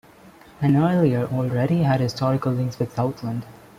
An earlier already had historical links with Southland.